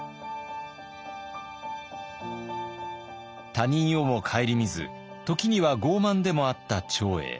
他人をも顧みず時には傲慢でもあった長英。